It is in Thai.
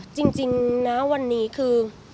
จริงนะวันนี้คือ